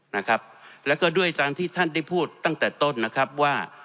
นะครับแล้วก็ด้วยการที่ท่านได้พูดตั้งแต่ต้นนะครับว่า